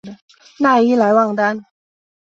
讷伊莱旺丹。